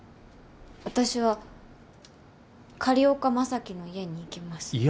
私は狩岡将貴の家に行きます。